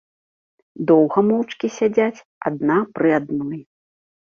Доўга моўчкі сядзяць адна пры адной.